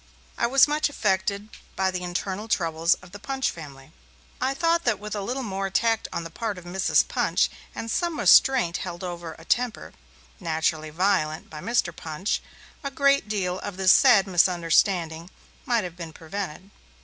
I was much affected by the internal troubles of the Punch family; I thought that with a little more tact on the part of Mrs. Punch and some restraint held over a temper, naturally violent, by Mr. Punch, a great deal of this sad misunderstanding might have been prevented.